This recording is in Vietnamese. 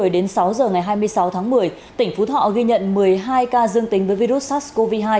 đến sáu giờ ngày hai mươi sáu tháng một mươi tỉnh phú thọ ghi nhận một mươi hai ca dương tính với virus sars cov hai